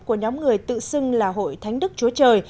của nhóm người tự xưng là hội thánh đức chúa trời